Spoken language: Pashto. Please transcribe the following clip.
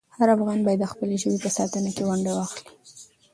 هر افغان باید د خپلې ژبې په ساتنه کې ونډه واخلي.